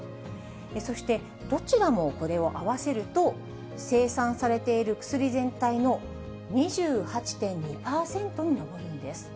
そして、どちらもこれを合わせると、生産されている薬全体の２８．２％に上るんです。